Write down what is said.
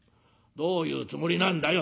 どういうつもりなんだよ」。